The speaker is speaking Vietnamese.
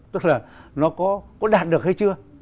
tức là nó có đạt được